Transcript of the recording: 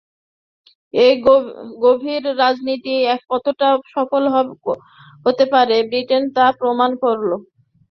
এই গভীর রাজনীতি কতটা সফল হতে পারে, ব্রিটেন তা প্রমাণ করল।